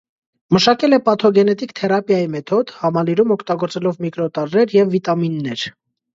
Մշակել է պաթոգենետիկ թերապիայի մեթոդ (համալիրում օգտագործելով միկրոտարրեր և վիտամիններ)։